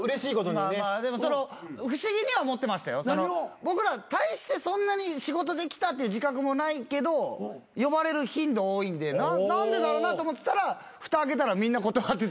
僕ら大してそんなに仕事できたって自覚もないけど呼ばれる頻度多いんで何でだろうなと思ってたらふた開けたらみんな断ってた。